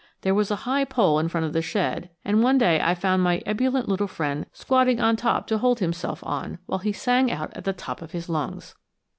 There was a high pole in front of the shed, and one day I found my ebullient little friend squatting on top to hold himself on while he sang out at the top of his lungs!